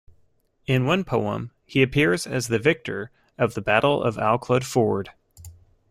In one poem, he appears as the victor of the Battle of Alclud Ford.